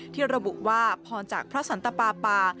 ที่ระบุว่าพรจากพระสันตปาปา